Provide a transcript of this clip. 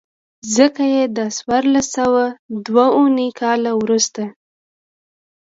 ځکه چې د څوارلس سوه دوه نوي کال وروسته.